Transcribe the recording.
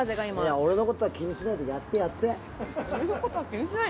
俺のことは気にしないでやって。